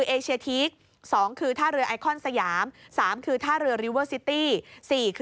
เอเชียทีก๒คือท่าเรือไอคอนสยาม๓คือท่าเรือริเวอร์ซิตี้